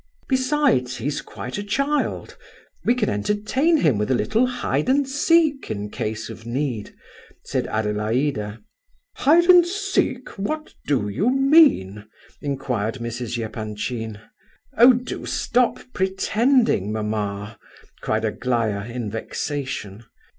"Besides, he's quite a child; we can entertain him with a little hide and seek, in case of need," said Adelaida. "Hide and seek? What do you mean?" inquired Mrs. Epanchin. "Oh, do stop pretending, mamma," cried Aglaya, in vexation.